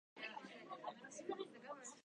北海道に旅行に行く。